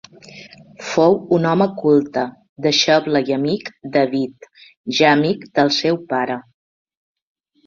Fou un home culte, deixeble i amic d'Avit, ja amic del seu pare.